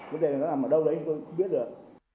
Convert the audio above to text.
vấn đề là nó làm ở đâu đấy tôi không biết được